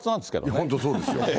本当、そうですよ。